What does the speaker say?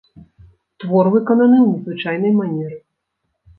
Твор выкананы ў незвычайнай манеры.